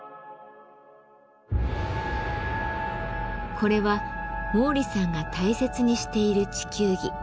これは毛利さんが大切にしている地球儀。